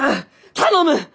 頼む！